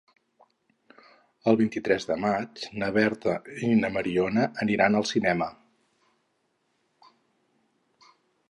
El vint-i-tres de maig na Berta i na Mariona aniran al cinema.